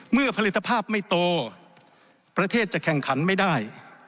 ผลิตภาพไม่โตประเทศจะแข่งขันไม่ได้